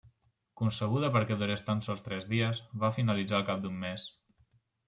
Concebuda perquè durés tan sols tres dies, va finalitzar al cap d'un mes.